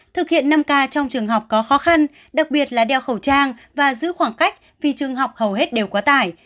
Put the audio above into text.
thực hiện năm k trong trường học có khó khăn đặc biệt là đeo khẩu trang và giữ khoảng cách vì trường học hầu hết đều quá tải